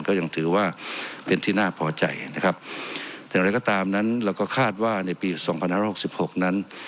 ก็ยังถือว่าเป็นที่น่าพอใจนะครับอย่างไรก็ตามนั้นเราก็คาดว่าในปีสองพันห้ารหกสิบหกนั้น